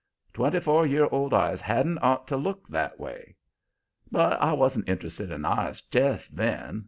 Twenty four year old eyes hadn't ought to look that way. "But I wasn't interested in eyes jest then.